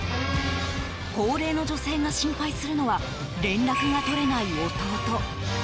高齢の女性が心配するのは連絡が取れない弟。